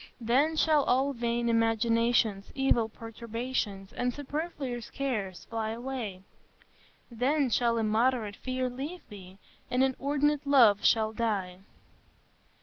Then shall all vain imaginations, evil perturbations, and superfluous cares fly away; then shall immoderate fear leave thee, and inordinate love shall die."